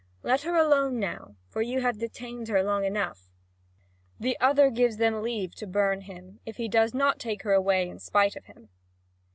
Let her alone now, for you have detained her long enough!" The other gives them leave to burn him, if he does not take her away in spite of him.